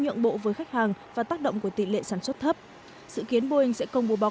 nhượng bộ với khách hàng và tác động của tỷ lệ sản xuất thấp dự kiến boeing sẽ công bố báo